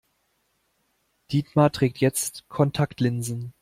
Dietmar trägt jetzt Kontaktlinsen.